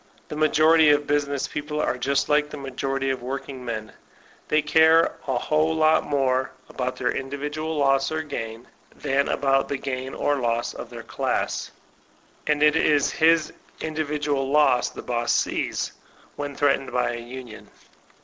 The majority of business people are just like the majority of workingmen ; they care a whole fat more about their individual loss or gain than about the gain or loss of their class. And it is his individual loss the boss sees, when threatened by a union.